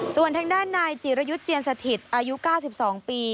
ส่วนทางด้านนายจิรยุทธ์เจียนสถิตอายุ๙๒ปี